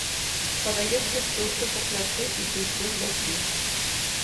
Падаецца, што ўсё па плячы і ты ўсё здасі.